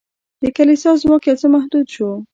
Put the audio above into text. د کلیسا ځواک یو څه محدود شو.